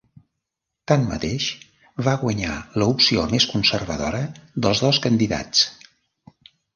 Tanmateix, va guanyar l'opció més conservadora dels dos candidats.